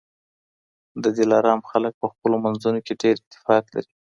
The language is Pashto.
د دلارام خلک په خپلو منځونو کي ډېر اتفاق لري.